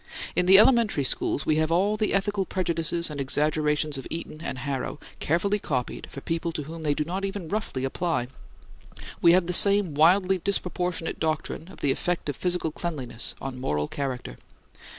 In the elementary schools we have all the ethical prejudices and exaggerations of Eton and Harrow carefully copied for people to whom they do not even roughly apply. We have the same wildly disproportionate doctrine of the effect of physical cleanliness on moral character.